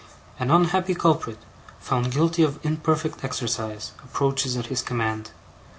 An unhappy culprit, found guilty of imperfect exercise, approaches at his command.